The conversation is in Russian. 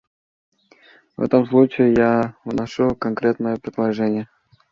В этом случае я вношу конкретное предложение.